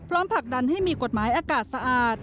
ผลักดันให้มีกฎหมายอากาศสะอาด